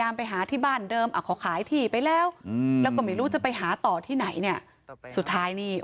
ไม่มีเพลินไม่มีเมนี